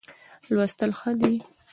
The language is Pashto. لوستل ښه دی.